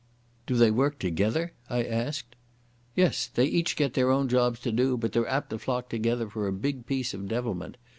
"Do they work together?" I asked. "Yes. They each get their own jobs to do, but they're apt to flock together for a big piece of devilment.